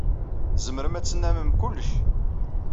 Tzemrem ad tennammem kullec.